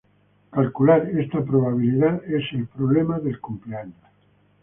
Calcular esta probabilidad es el problema del cumpleaños.